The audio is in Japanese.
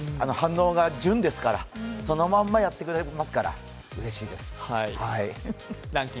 反応が純ですから、そのままやってくれますから、うれしいです。